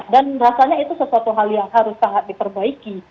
dan rasanya itu sesuatu hal yang harus sangat diperbaiki